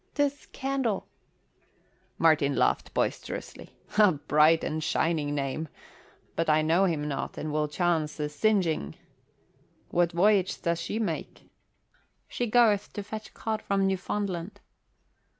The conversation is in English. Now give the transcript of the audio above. "'Tis Candle." Martin laughed boisterously. "A bright and shining name! But I know him not and will chance a singeing. What voyage does she make?" "She goeth to fetch cod from Newfoundland."